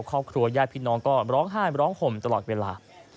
ครอบครัวญาติพี่น้องก็ร้องไห้ร้องห่มตลอดเวลา